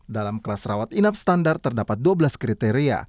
dalam kelas rawat inap standar terdapat dua belas kriteria